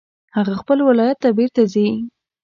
هغه خپل ولایت ته بیرته ځي